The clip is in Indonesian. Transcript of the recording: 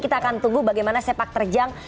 kita akan tunggu bagaimana sepak terjang